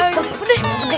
udah udah udah